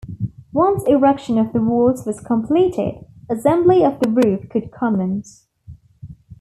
Once erection of the walls was completed, assembly of the roof could commence.